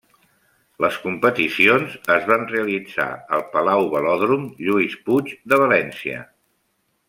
Les competicions es van realitzar al Palau Velòdrom Lluís Puig de València.